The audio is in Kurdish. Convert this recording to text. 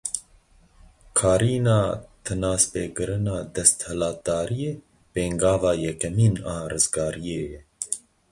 Karîna tinazpêkirina desthilatdariyê, pêngava yekemîn a rizgariyê ye.